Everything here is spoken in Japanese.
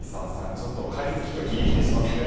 ちょっと解説を聞くとヒリヒリしますね。